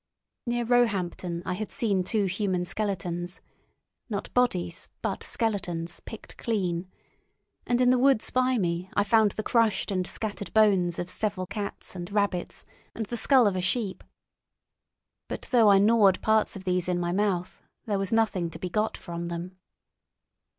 Near Roehampton I had seen two human skeletons—not bodies, but skeletons, picked clean—and in the wood by me I found the crushed and scattered bones of several cats and rabbits and the skull of a sheep. But though I gnawed parts of these in my mouth, there was nothing to be got from them.